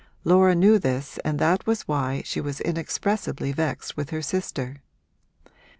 Laura knew this and it was why she was inexpressibly vexed with her sister.